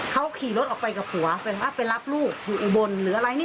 เขาขี่รถออกไปกับผัวไปรับลูกบนหรืออะไรนี่เลย